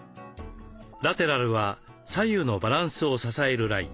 ラテラルは左右のバランスを支えるライン。